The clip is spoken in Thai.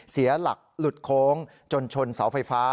เสียหลักหลุดโค้งจนชนเสาไฟฟ้า